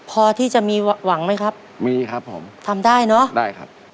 พอที่จะมีหวังไหมครับมีครับผมทำได้เนอะได้ครับ